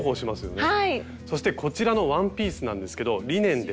そしてこちらのワンピースなんですけどリネンです。